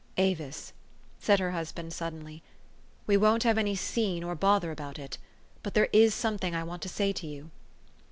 " Avis," said her husband suddenly, " we won't THE STORY OF AVIS. 421 have any scene or bother about it; but there is something I want to say to you."